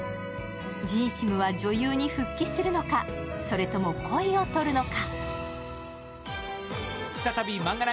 ジンシムは女優に復帰するのか、それとも恋をとるのか？